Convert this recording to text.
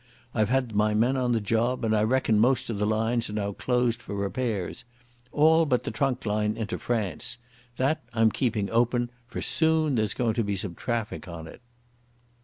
I've had my men on the job, and I reckon most of the lines are now closed for repairs. All but the trunk line into France. That I'm keeping open, for soon there's going to be some traffic on it."